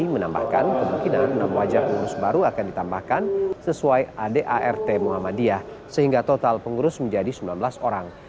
menambahkan kemungkinan enam wajah pengurus baru akan ditambahkan sesuai adart muhammadiyah sehingga total pengurus menjadi sembilan belas orang